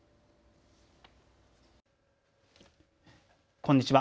こんにちは。